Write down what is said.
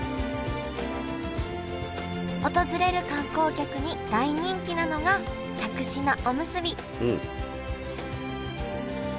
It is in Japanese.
訪れる観光客に大人気なのがしゃくし菜おむすび